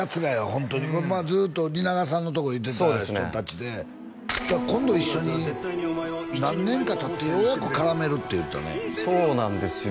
ホントにずっと蜷川さんのとこ行ってた人達で今度一緒に何年かたってようやく絡めるって言ってたねそうなんですよ